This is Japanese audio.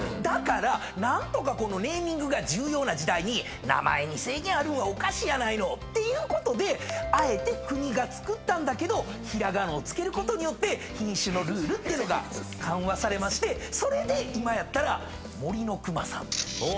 だから何とかこのネーミングが重要な時代に名前に制限あるんはおかしいやないのということであえて国が作ったんだけどひらがなを付けることによって品種のルールっていうのが緩和されましてそれで今やったら森のくまさん。